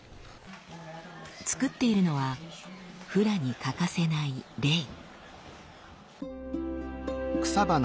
作っているのはフラに欠かせない「レイ」。